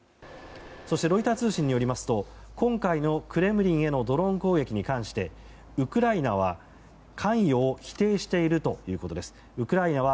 そしてロイター通信によりますと今回の、クレムリンへのドローン攻撃に関してウクライナは関与を否定しているということです。